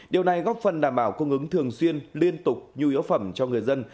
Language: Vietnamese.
điều này góp phần đảm bảo cung ứng thường xuyên liên tục nhu yếu phẩm cho người dân